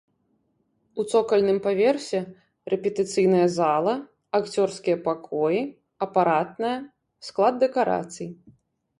У цокальным паверсе рэпетыцыйная зала, акцёрскія пакоі, апаратная, склад дэкарацый.